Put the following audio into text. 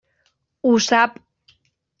Ho sap.